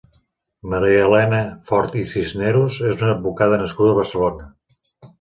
Marialena Fort i Cisneros és una advocada nascuda a Barcelona.